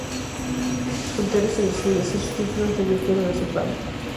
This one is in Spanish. Soltero y sin descendencia, sus títulos revirtieron a su padre.